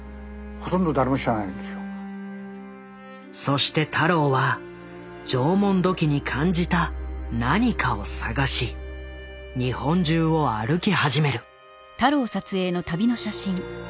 そして太郎は縄文土器に感じた何かを探し日本中を歩き始める。